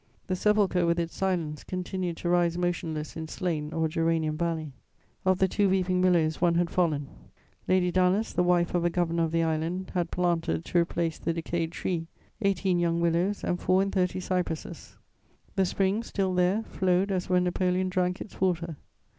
The sepulchre, with its silence, continued to rise motionless in Slane or Geranium Valley. Of the two weeping willows, one had fallen; Lady Dallas, the wife of a governor of the island, had planted, to replace the decayed tree, eighteen young willows and four and thirty cypresses; the spring, still there, flowed as when Napoleon drank its water.